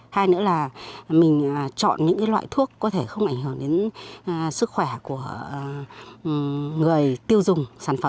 hai nữa là mình chọn những loại thuốc có thể không ảnh hưởng đến sức khỏe của người tiêu dùng sản phẩm